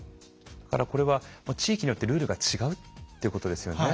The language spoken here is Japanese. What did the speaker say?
これは地域によってルールが違うってことですよね。